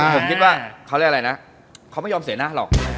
ผมคิดว่าเขาไม่ยอมเสียหน้าหรอก